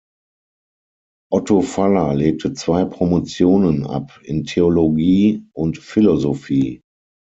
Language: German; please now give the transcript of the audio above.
Otto Faller legte zwei Promotionen ab, in Theologie und Philosophie.